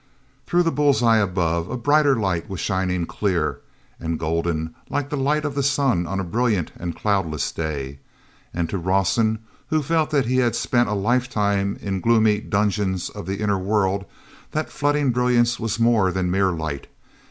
Through the bull's eyes above, a brighter light was shining, clear and golden, like the light of the sun on a brilliant and cloudless day. And to Rawson, who felt that he had spent a lifetime in the gloomy dungeons of that inner world, that flooding brilliance was more than mere light.